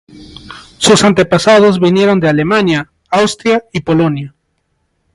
Sus antepasados vinieron de Alemania, Austria y Polonia.